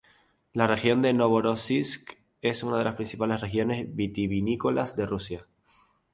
La región de Novorosíisk es una de las principales regiones vitivinícolas de Rusia.